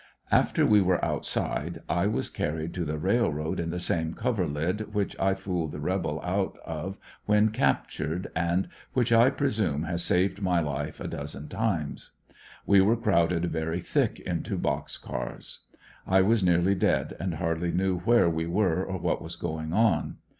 After we were outside, 1 was carried to the railroad in the same coverlid which I fooled the rebel out of when captured, and which I presume has saved my life a dozen times. We were crowd ed very thick into box cars I was nearly dead, and hardly knew where we were or what was going on.